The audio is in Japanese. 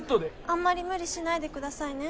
あんまり無理しないでくださいね。